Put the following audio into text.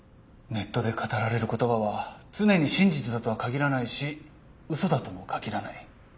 ネットで語られる言葉は常に真実だとは限らないし嘘だとも限らない。